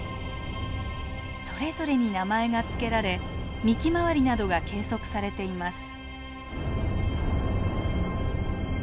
それぞれに名前が付けられ幹周りなどが計測されています。